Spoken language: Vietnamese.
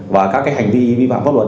và các hành vi vi phạm pháp luật